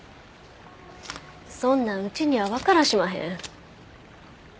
そんなんうちにはわからしまへん。